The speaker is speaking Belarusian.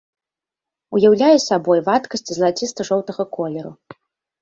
Уяўляе сабой вадкасць залаціста-жоўтага колеру.